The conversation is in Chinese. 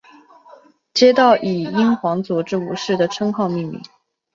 街道以英皇佐治五世的称号命名。